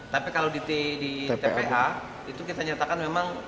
tapi kalau di tpa itu kita nyatakan memang